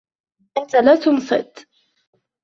أنت لا تنصت